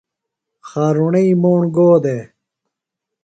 خارُݨئی موݨ گو دےۡ؟